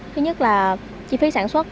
thứ nhất là chi phí sản xuất